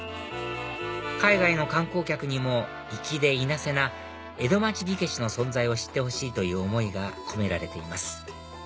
海外の観光客にも粋でいなせな江戸町火消しの存在を知ってほしいという思いが込められています